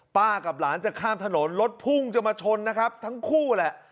กับหลานจะข้ามถนนรถพุ่งจะมาชนนะครับทั้งคู่แหละ